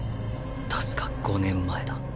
確か５年前だ。